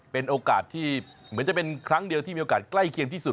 เป็นโอกาสที่เหมือนจะเป็นครั้งเดียวที่มีโอกาสใกล้เคียงที่สุด